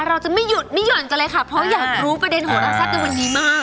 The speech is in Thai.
เราไม่หยุดไม่หย่นจะเลยค่ะต้องอย่างรู้ประเด็นหัวเราทรัพย์เรียนวันนี้มาก